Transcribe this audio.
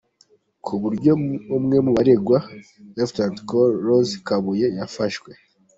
Ku buryo umwe mu baregwa Lt Col Rose Kabuye yafashwe.